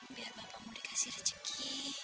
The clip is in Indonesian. biar bapakmu dikasih rezeki